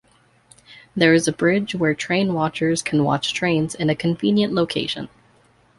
There is a bridge where train watchers can watch trains in a convenient location.